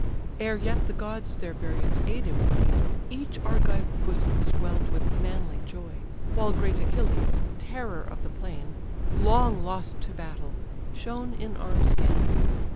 Ere yet the gods their various aid employ, Each Argive bosom swell'd with manly joy, While great Achilles (terror of the plain), Long lost to battle, shone in arms again.